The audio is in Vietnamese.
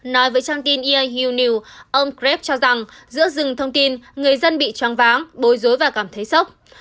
nói với trang tin eiu news ông kreb cho rằng giữa rừng thông tin người dân bị trang váng bối rối và cảm thấy sốc